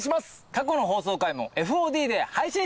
過去の放送回もＦＯＤで配信してます。